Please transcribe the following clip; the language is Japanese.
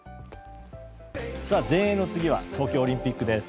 全英の次は東京オリンピックです。